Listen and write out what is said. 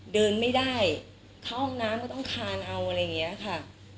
เดินไม่ได้เข้าห้องน้ำก็ต้องคานเอาอะไรอย่างนี้ค่ะ